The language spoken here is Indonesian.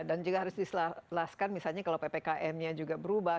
dan juga harus diselaraskan misalnya kalau ppkm nya juga berubah